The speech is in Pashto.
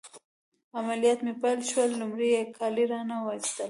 عملیات مې پیل شول، لمړی يې کالي رانه وایستل.